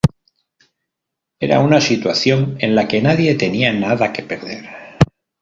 Era una situación en la que nadie tenía nada que perder.